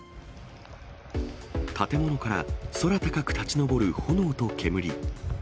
建物から空高く立ち上る炎と煙。